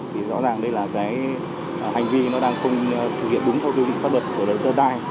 thì rõ ràng đây là cái hành vi nó đang không thực hiện đúng theo quy định pháp luật của luật đất đai